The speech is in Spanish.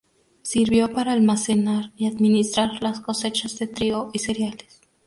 Sirvió para almacenar y administrar las cosechas de trigo y cereales.